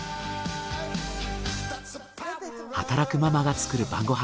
働くママが作る晩ご飯。